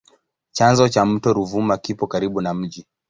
Chanzo cha mto Ruvuma kipo karibu na mji.